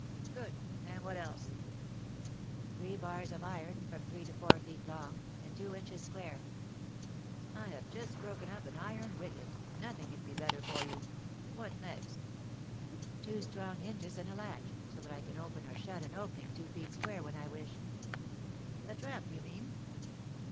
"Good, and what else?" "Three bars of iron, from three to four feet long, and two inches square." "I have just broken up an iron wicket; nothing can be better for you. What next?" "Two strong hinges and a latch, so that I can open or shut an opening two feet square when I wish." "A trap, you mean?"